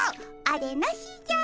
あれなしじゃ。